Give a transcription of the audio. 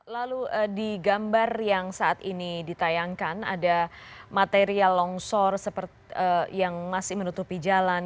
lalu di gambar yang saat ini ditayangkan ada material longsor yang masih menutupi jalan